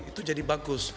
itu jadi bagus